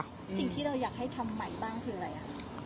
สิ่งที่เราอยากให้ทำใหม่บ้างคืออะไรครับ